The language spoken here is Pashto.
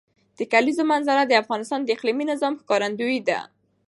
د کلیزو منظره د افغانستان د اقلیمي نظام ښکارندوی ده.